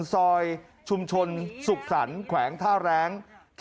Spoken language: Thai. ซอยชุมชนสุขสรรค์แขวงท่าแรง